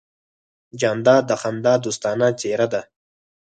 جانداد د خندا دوستانه څېرہ ده.